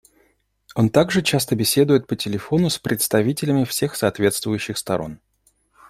Он также часто беседует по телефону с представителями всех соответствующих сторон.